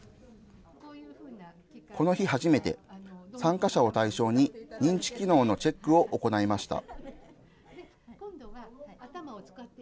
この日、初めて参加者を対象に認知機能のチェックを行いました。